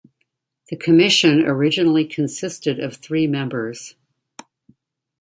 The Commission originally consisted of three members.